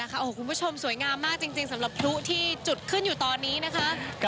คุณผู้ชมสวยงามมากจริงสำหรับพลุที่จุดขึ้นอยู่ตอนนี้นะคะ